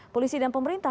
polisi dan pemerintah